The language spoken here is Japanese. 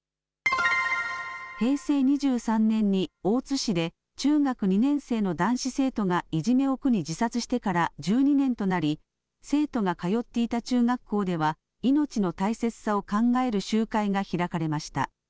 平成２３年に大津市で、中学２年生の男子生徒がいじめを苦に自殺してから１２年となり、生徒が通っていた中学校では、命の大切さを考える集会が開かれました。